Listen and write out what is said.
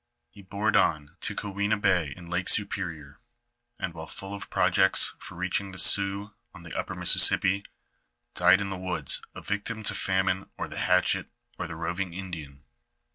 He bore it on to Keweena bay in Lake Superior, and while full of projects for reaching the Sioux on the upper Mississippi, died in the woods, a victim to famino or the hatchet of the roving Indian.